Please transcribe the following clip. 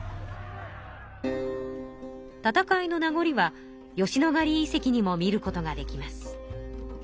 戦いのなごりは吉野ヶ里遺跡にも見ることができます。